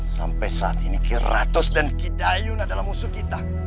sampai saat ini ki ratus dan ki dayun adalah musuh kita